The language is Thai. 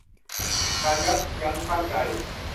การยับยั้งชั่งใจ